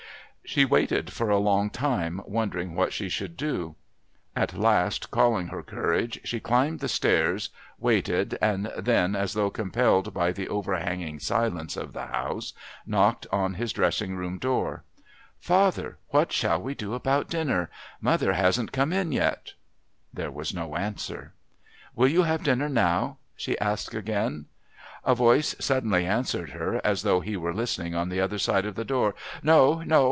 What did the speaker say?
She waited for a long time wondering what she should do. At last, calling her courage, she climbed the stairs, waited, and then, as though compelled by the overhanging silence of the house, knocked on his dressing room door. "Father, what shall we do about dinner? Mother hasn't come in yet." There was no answer. "Will you have dinner now?" she asked again. A voice suddenly answered her as though he were listening on the other side of the door. "No, no.